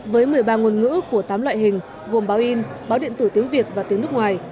với một mươi ba ngôn ngữ của tám loại hình gồm báo in báo điện tử tiếng việt và tiếng nước ngoài